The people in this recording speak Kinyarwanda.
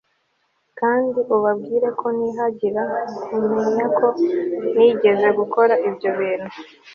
kandi ubabwire ko nihagira umenya ko nigeze gukora ibyo bintu